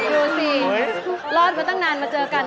ดูสิรอดมาตั้งนานมาเจอกัน